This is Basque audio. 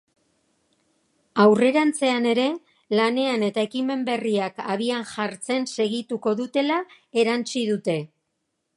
Aurrerantzean ere, lanean eta ekimen berriak abian jartzen segituko dutela erantsi dute.